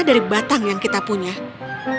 dari batang yang kita punya